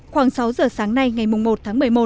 khoảng sáu giờ sáng nay ngày một tháng một mươi một